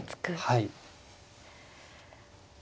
はい。